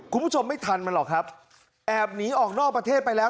คุณผู้ชมไม่ทันมันหรอกครับแอบหนีออกนอกประเทศไปแล้ว